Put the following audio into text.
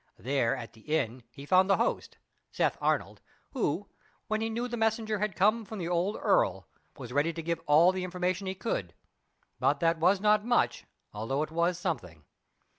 There at the inn, he found the host Seth Arnold, who, when he knew the messenger had come from the old earl, was ready to give all the information he could; but that was not much, although it was something.